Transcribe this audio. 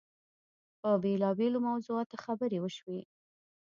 په بېلابېلو موضوعاتو خبرې وشوې.